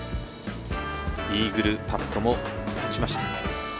イーグルパットも打ちました。